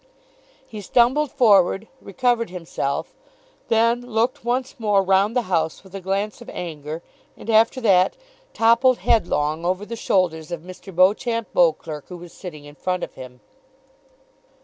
He stumbled forward, recovered himself, then looked once more round the House with a glance of anger, and after that toppled headlong forward over the shoulders of Mr. Beauchamp Beauclerk, who was now sitting in front of him.